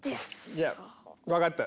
いや。分かった。